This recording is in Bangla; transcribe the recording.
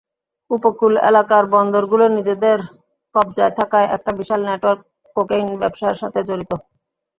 উপকূল এলাকার বন্দরগুলো নিজেদের কব্জায় থাকায় একটা বিশাল নেটওয়ার্ক কোকেইন ব্যবসার সাথে জড়িত।